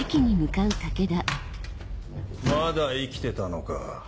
まだ生きてたのか。